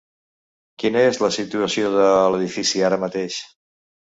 Quina és la situació de l’edifici ara mateix?